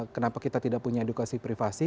kenapa kita tidak punya edukasi privasi